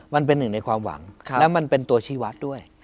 มันเป็นหนึ่งในความหวังแล้วมันเป็นตัวชีวัตรด้วย